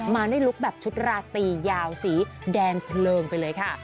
มาด้วยลุคแบบชุดราตียาวสีแดงเพลิงไปเลยค่ะ